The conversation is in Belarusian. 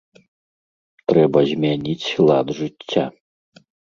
Трэба змяніць лад жыцця.